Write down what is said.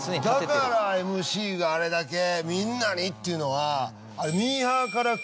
だからＭＣがあれだけみんなに！っていうのはあれ。